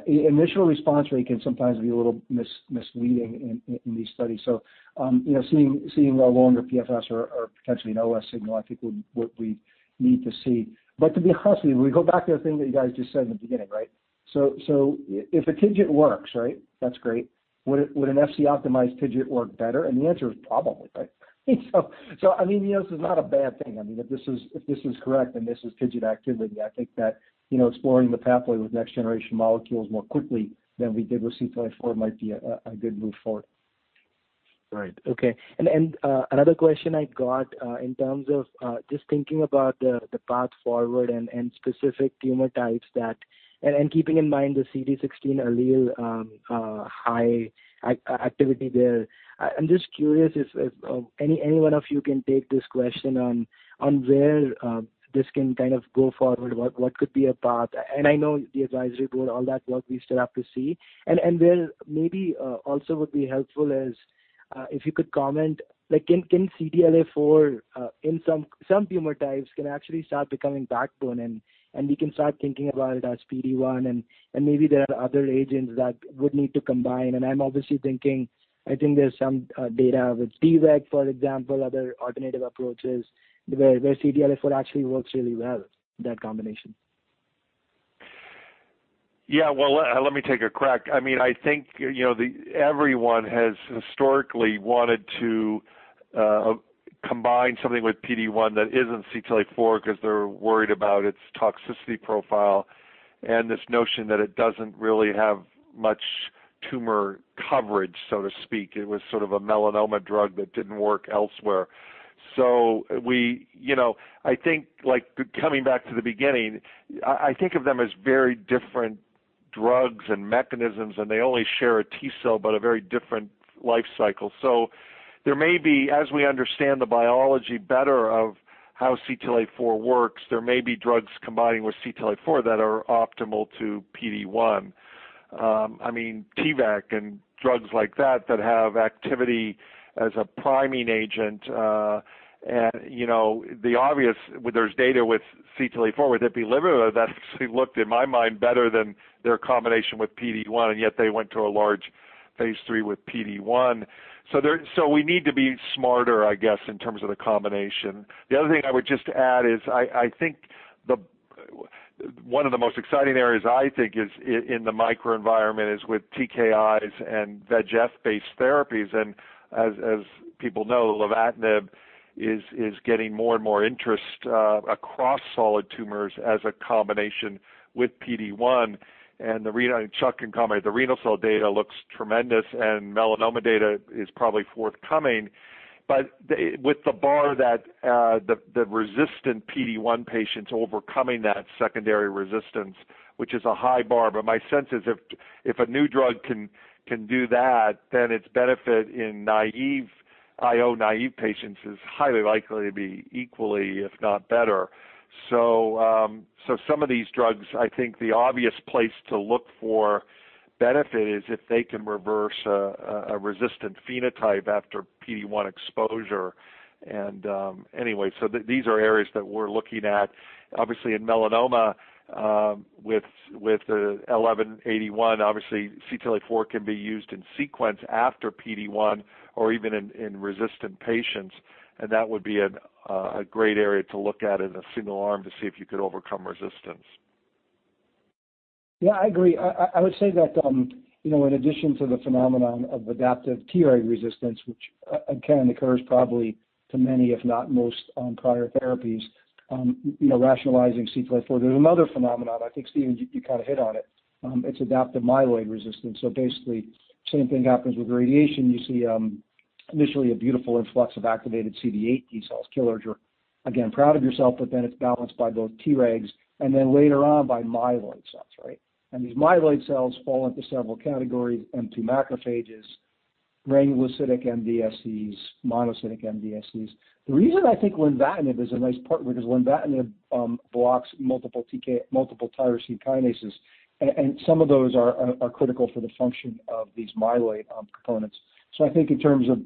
Initial response rate can sometimes be a little misleading in these studies. Seeing a longer PFS or potentially an OS signal, I think what we need to see. To be honest with you, we go back to the thing that you guys just said in the beginning, right? If a TIGIT works, right, that's great. Would an Fc optimized TIGIT work better? The answer is probably, right? This is not a bad thing. If this is correct, and this is TIGIT activity, I think that exploring the pathway with next-generation molecules more quickly than we did with CTLA-4 might be a good move forward. Right. Okay. Another question I got in terms of just thinking about the path forward and specific tumor types that, keeping in mind the CD16 allele high activity there, I'm just curious if any one of you can take this question on where this can kind of go forward, what could be a path? I know the advisory board, all that work we still have to see. Where maybe also would be helpful is if you could comment, can CTLA-4 in some tumor types actually start becoming backbone and we can start thinking about it as PD-1 and maybe there are other agents that would need to combine. I'm obviously thinking, I think there's some data with VEGF, for example, other alternative approaches where CTLA-4 actually works really well, that combination. Well, let me take a crack. I think everyone has historically wanted to combine something with PD-1 that isn't CTLA-4 because they're worried about its toxicity profile and this notion that it doesn't really have much tumor coverage, so to speak. It was sort of a melanoma drug that didn't work elsewhere. Coming back to the beginning, I think of them as very different drugs and mechanisms, and they only share a T-cell, but a very different life cycle. As we understand the biology better of how CTLA-4 works, there may be drugs combining with CTLA-4 that are optimal to PD-1. T-VEC and drugs like that have activity as a priming agent. There's data with CTLA-4 with ipilimumab that actually looked, in my mind, better than their combination with PD-1, and yet they went to a large phase III with PD-1. We need to be smarter, I guess, in terms of the combination. The other thing I would just add is, I think one of the most exciting areas I think is in the microenvironment is with TKIs and VEGF-based therapies. As people know, lenvatinib is getting more and more interest across solid tumors as a combination with PD-1. Chuck can comment, the renal cell data looks tremendous, and melanoma data is probably forthcoming. With the bar that the resistant PD-1 patients overcoming that secondary resistance, which is a high bar. My sense is if a new drug can do that, then its benefit in IO naive patients is highly likely to be equally, if not better. Some of these drugs, I think the obvious place to look for benefit is if they can reverse a resistant phenotype after PD-1 exposure. Anyway, these are areas that we're looking at. Obviously in melanoma, with 1181, obviously CTLA-4 can be used in sequence after PD-1 or even in resistant patients, and that would be a great area to look at in a single arm to see if you could overcome resistance. Yeah, I agree. I would say that in addition to the phenomenon of adaptive TRA resistance, which again occurs probably to many, if not most, prior therapies, rationalizing CTLA-4, there's another phenomenon, I think, Steven, you kind of hit on it. It's adaptive myeloid resistance. Basically, same thing happens with radiation. You see initially a beautiful influx of activated CD8 T-cells, killer cells. Again, proud of yourself, but then it's balanced by both Tregs and then later on by myeloid cells, right? These myeloid cells fall into several categories, M2 macrophages, granulocytic MDSCs, monocytic MDSCs. The reason I think lenvatinib is a nice partner is lenvatinib blocks multiple tyrosine kinases, and some of those are critical for the function of these myeloid components. I think in terms of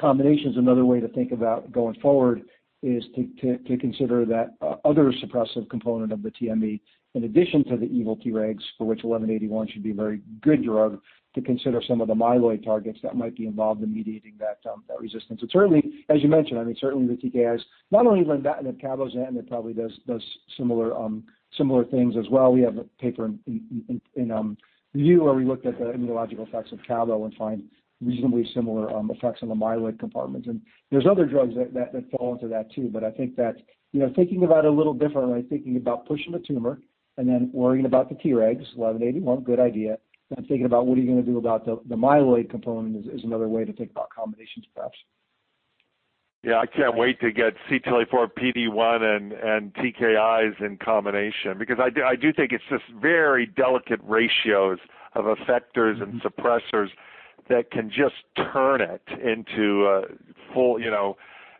combinations, another way to think about going forward is to consider that other suppressive component of the TME, in addition to the evil Tregs, for which 1181 should be a very good drug to consider some of the myeloid targets that might be involved in mediating that resistance. Certainly, as you mentioned, certainly the TKIs, not only lenvatinib, cabozantinib probably does similar things as well. We have a paper in review where we looked at the immunological effects of cabo and find reasonably similar effects on the myeloid compartments. There's other drugs that fall into that too. I think that thinking about a little different way, thinking about pushing the tumor and then worrying about the Tregs, AGEN1181, good idea. Thinking about what are you going to do about the myeloid component is another way to think about combinations, perhaps. Yeah. I can't wait to get CTLA-4, PD-1, and TKIs in combination, because I do think it's just very delicate ratios of effectors and suppressors that can just turn it into a full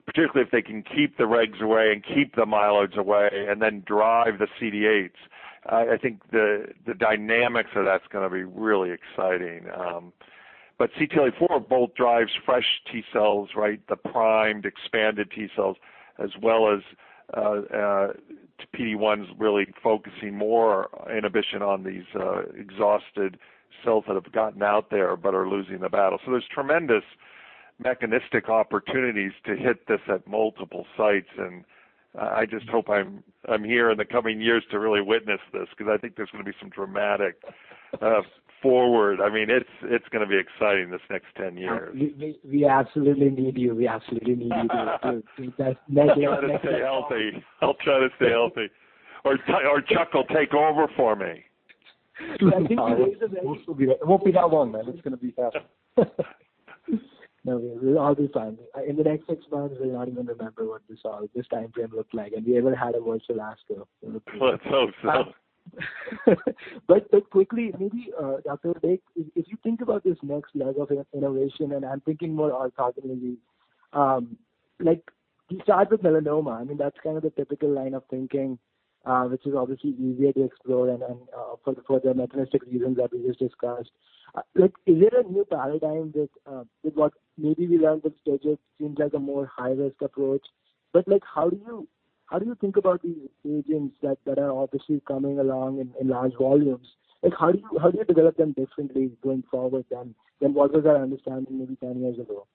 Particularly if they can keep the regs away and keep the myeloids away and then drive the CD8s. I think the dynamics of that's going to be really exciting. CTLA-4 both drives fresh T-cells, right? The primed, expanded T-cells, as well as PD-1's really focusing more inhibition on these exhausted cells that have gotten out there but are losing the battle. There's tremendous mechanistic opportunities to hit this at multiple sites, and I just hope I'm here in the coming years to really witness this, because I think there's going to be some dramatic forward. It's going to be exciting this next 10 years. We absolutely need you. I'll try to stay healthy. I'll try to stay healthy or Chuck will take over for me. It won't be that one, man. It's going to be better. No, we'll all be fine. In the next six months, we're not even remember what this timeframe looked like, and we ever had a virtual ASCO. Let's hope so. Quickly, maybe, Dr. Drake, if you think about this next leg of innovation, and I'm thinking more oncogenically. You start with melanoma. That's kind of the typical line of thinking, which is obviously easier to explore and then for the mechanistic reasons that we just discussed. Is it a new paradigm with what maybe we learned with seems like a more high-risk approach? How do you think about these agents that are obviously coming along in large volumes? How do you develop them differently going forward than what was our understanding maybe 10 years ago?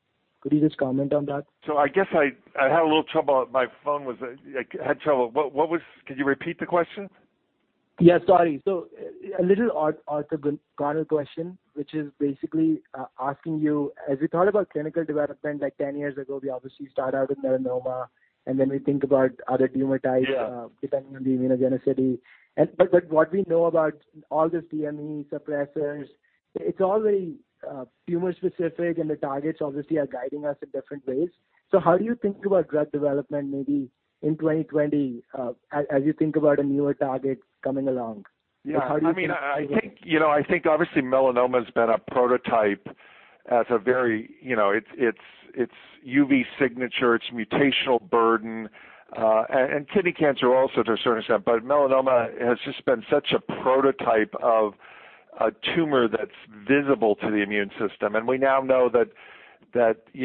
Could you just comment on that? I guess I had a little trouble. My phone had trouble. Could you repeat the question? Yeah, sorry. A little odd corner question, which is basically asking you, as we thought about clinical development like 10 years ago, we obviously start out with melanoma, and then we think about other tumor types. Yeah What we know about all this MDSC suppressors, it's all very tumor specific and the targets obviously are guiding us in different ways. How do you think about drug development maybe in 2020, as you think about a newer target coming along? Yeah. I think, obviously melanoma's been a prototype. Its UV signature, its mutational burden, kidney cancer also to a certain extent. Melanoma has just been such a prototype of a tumor that's visible to the immune system. We now know that it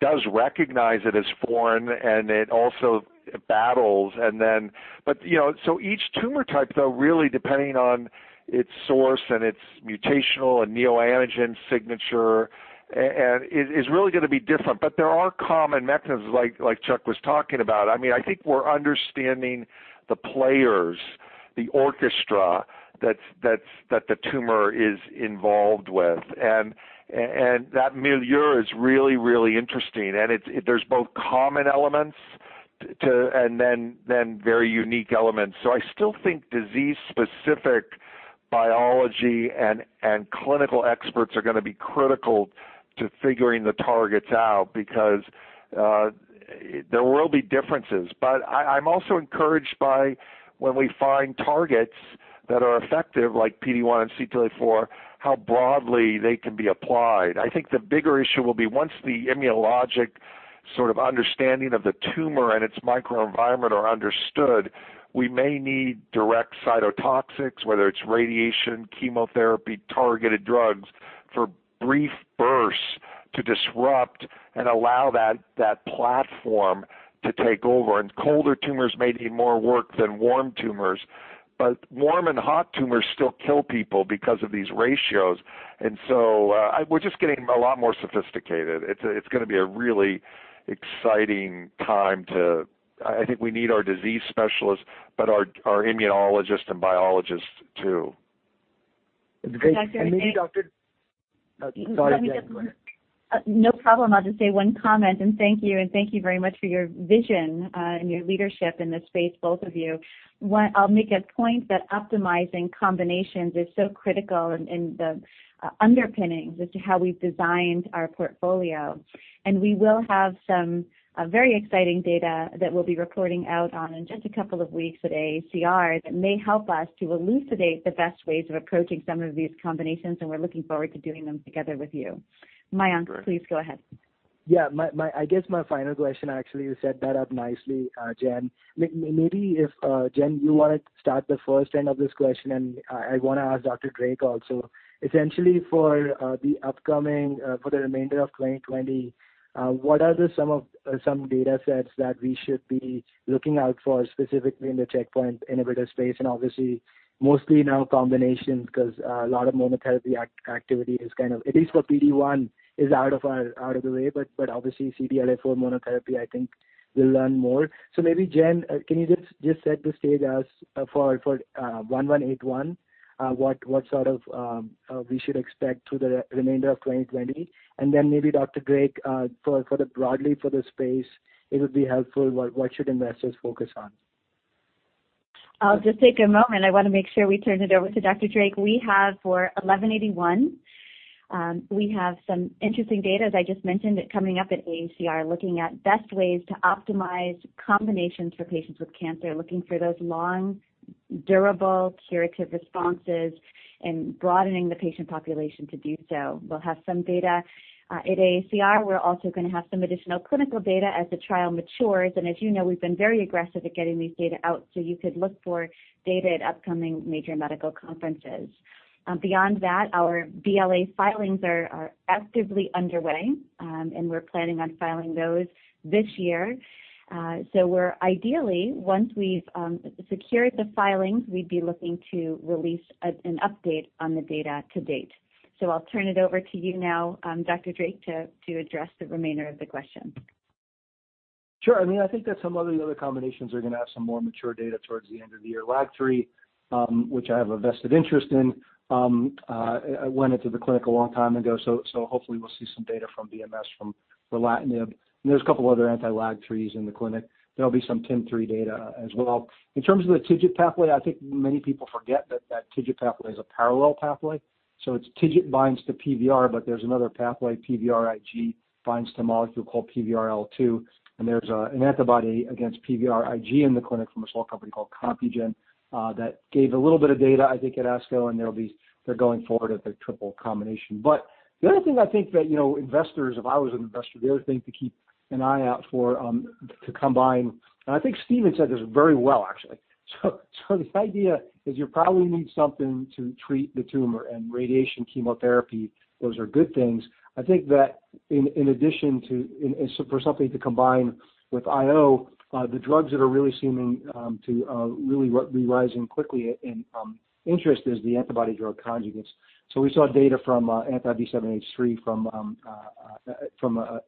does recognize it as foreign and it also battles. Each tumor type, though, really depending on its source and its mutational and neoantigen signature, is really going to be different. There are common mechanisms, like Chuck was talking about. I think we're understanding the players, the orchestra, that the tumor is involved with. That milieu is really, really interesting, and there's both common elements and then very unique elements. I still think disease-specific biology and clinical experts are going to be critical to figuring the targets out because there will be differences. I'm also encouraged by when we find targets that are effective, like PD-1 and CTLA-4, how broadly they can be applied. I think the bigger issue will be once the immunologic sort of understanding of the tumor and its microenvironment are understood, we may need direct cytotoxics, whether it's radiation, chemotherapy, targeted drugs, for brief bursts to disrupt and allow that platform to take over. Colder tumors may need more work than warm tumors, but warm and hot tumors still kill people because of these ratios. We're just getting a lot more sophisticated. It's going to be a really exciting time. I think we need our disease specialists, but our immunologists and biologists, too. Great. Maybe, Doctor Sorry, go ahead. No problem. I'll just say one comment, and thank you, and thank you very much for your vision and your leadership in this space, both of you. I'll make a point that optimizing combinations is so critical in the underpinnings as to how we've designed our portfolio. We will have some very exciting data that we'll be reporting out on in just a couple of weeks at AACR that may help us to elucidate the best ways of approaching some of these combinations, and we're looking forward to doing them together with you. Mayank please go ahead. Yeah. I guess my final question, actually, you set that up nicely Jen. Maybe if Jen you want to start the first end of this question, and I want to ask Dr. Drake also. Essentially for the remainder of 2020, what are some data sets that we should be looking out for specifically in the checkpoint inhibitor space? Obviously mostly now combinations because a lot of monotherapy activity is kind of, at least for PD-1, is out of the way, but obviously CTLA-4 monotherapy, I think we'll learn more. Maybe Jen, can you just set the stage for AGEN1181, what we should expect through the remainder of 2020? Then maybe Dr. Drake, broadly for the space, it would be helpful, what should investors focus on? I'll just take a moment. I want to make sure we turn it over to Dr. Drake. We have for AGEN1181, we have some interesting data, as I just mentioned, coming up at AACR, looking at best ways to optimize combinations for patients with cancer, looking for those long, durable, curative responses, and broadening the patient population to do so. We'll have some data at AACR. As you know, we've been very aggressive at getting these data out, so you could look for data at upcoming major medical conferences. Beyond that, our BLA filings are actively underway. We're planning on filing those this year. Ideally, once we've secured the filings, we'd be looking to release an update on the data to date. I'll turn it over to you now Dr. Drake, to address the remainder of the question. Sure. I think that some of the other combinations are going to have some more mature data towards the end of the year. LAG-3, which I have a vested interest in, went into the clinic a long time ago, so hopefully we'll see some data from BMS for relatlimab. There's a couple other anti-LAG-3s in the clinic. There'll be some TIM-3 data as well. In terms of the TIGIT pathway, I think many people forget that that TIGIT pathway is a parallel pathway. TIGIT binds to PVR, but there's another pathway, PVRIG, binds to a molecule called PVRL2, and there's an antibody against PVRIG in the clinic from a small company called Compugen that gave a little bit of data, I think, at ASCO, and they're going forward at their triple combination. The other thing I think that investors, if I was an investor, the other thing to keep an eye out for to combine, and I think Steven said this very well, actually. This idea is you probably need something to treat the tumor, and radiation, chemotherapy, those are good things. I think that for something to combine with IO, the drugs that are really seeming to really be rising quickly in interest is the antibody drug conjugates. We saw data from anti-B7-H3 from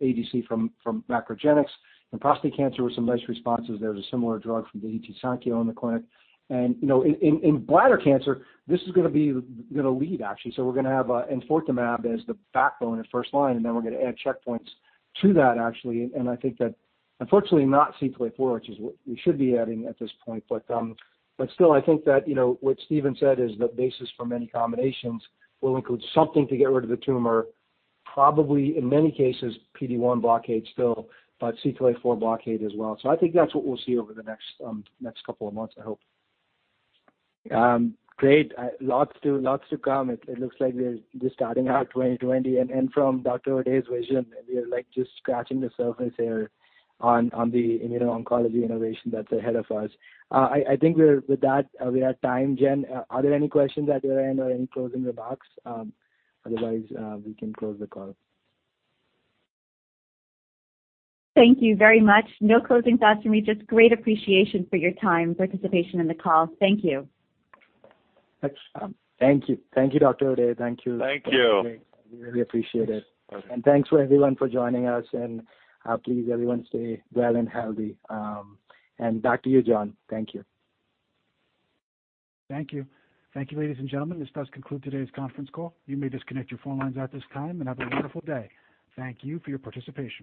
ADC from MacroGenics and prostate cancer with some nice responses. There's a similar drug from Daiichi Sankyo in the clinic. In bladder cancer, this is going to lead, actually. We're going to have enfortumab as the backbone in first line, and then we're going to add checkpoints to that, actually. I think that unfortunately not CTLA-4, which is what we should be adding at this point. Still, I think that what Steven said is the basis for many combinations will include something to get rid of the tumor, probably in many cases, PD-1 blockade still, but CTLA-4 blockade as well. I think that's what we'll see over the next couple of months, I hope. Great. Lots to come. It looks like we're just starting out 2020, and from Dr. O'Day's vision, we are just scratching the surface here on the immuno-oncology innovation that's ahead of us. I think with that, we are at time. Jen, are there any questions at your end or any closing remarks? Otherwise, we can close the call. Thank you very much. No closing thoughts from me, just great appreciation for your time, participation in the call. Thank you. Excellent. Thank you. Thank you, Dr. O'Day. Thank you. Thank you. We really appreciate it. Okay. Thanks for everyone for joining us, and please everyone stay well and healthy. Back to you, John. Thank you. Thank you. Thank you, ladies and gentlemen. This does conclude today's conference call. You may disconnect your phone lines at this time, and have a wonderful day. Thank you for your participation.